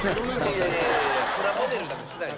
いやいやいやいやプラモデルなんてしないです。